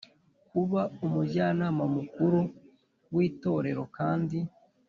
Kuba umujyanama mukuru w itorero kandi